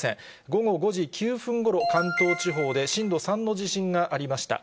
午後５時９分ごろ、関東地方で震度３の地震がありました。